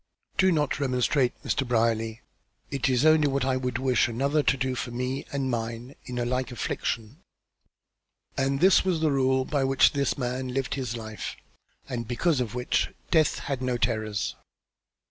Do not remonstrate, Mr. Brierly. It is only what I would wish another to do for me and mine in a like affliction." And this was the rule by which this man lived his life, and because of which death had no terrors.